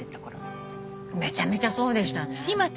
めちゃめちゃそうでしたね。